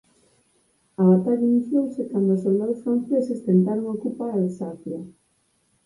A batalla iniciouse cando os soldados franceses tentaron ocupar Alsacia.